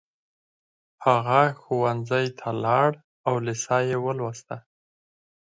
هغه ښوونځي ته لاړ او لېسه يې ولوسته.